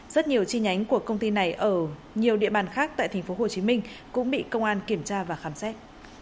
rất nhiều chi nhánh của công ty này ở nhiều địa bàn khác tại thành phố hồ chí minh cũng bị công an kiểm tra và khám xét